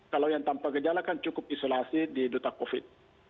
kalau yang tanpa gejala kan cukup isolasi di duta covid